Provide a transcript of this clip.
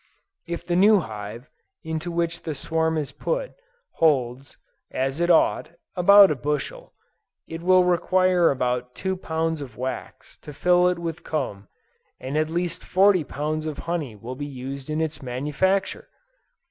If the new hive, into which the swarm is put, holds, as it ought, about a bushel, it will require about two pounds of wax to fill it with comb, and at least forty pounds of honey will be used in its manufacture!